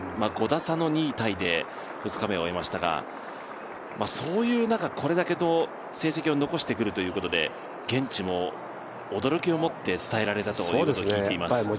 ５打差の２位タイで２日目を終えましたがそういう中、これだけの成績を残してくるということで現地も驚きを持って伝えられたと聞いています。